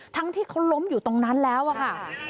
ที่เขาล้มอยู่ตรงนั้นแล้วอะค่ะ